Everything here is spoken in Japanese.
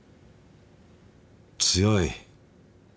強い。